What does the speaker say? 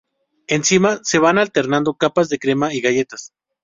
Encima, se van alternando capas de crema y galletas.